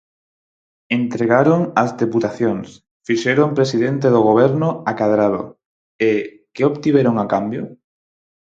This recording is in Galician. Entregaron as deputacións, fixeron presidente do Goberno a Cadrado, e ¿que obtiveron a cambio?